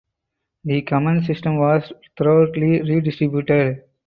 The command system was thoroughly redistributed.